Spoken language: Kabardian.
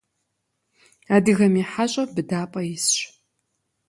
Адыгэм и хьэщӀэ быдапӀэ исщ.